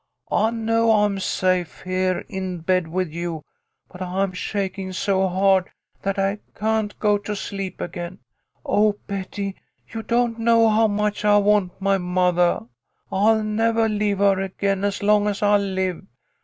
I know I am safe, here in bed with you, but I'm shaking so hard that I can't go to sleep again. Oh, Betty, you don't know how much I want my mothah ! I'll nevah leave her again as long as I live.